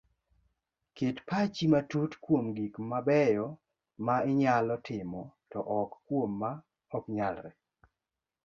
Ket pach matut kuom gik mabeyo ma inyalo timo to ok kuom ma oknyalre